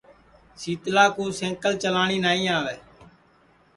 شیتلا کُو سئکل چلاٹی نائی آوے